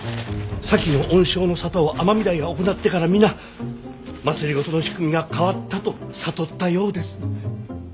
先の恩賞の沙汰を尼御台が行ってから皆政の仕組みが変わったと悟ったようです。